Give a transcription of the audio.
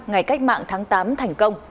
ngày cách mạng tháng tám thành công